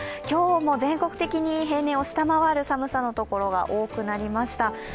今日も全国的に平年を下回る寒さのところが多くなりました。